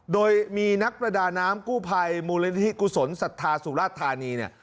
โดยมีนักประดาน้ำกู้ภัยมธิกุศลสัทธาสุรทานี